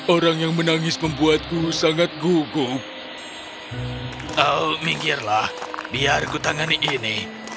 orang yang menangis membuatku sangat gugup oh minggirlah biar ku tangani ini